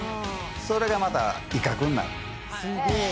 それがまた威嚇になるよね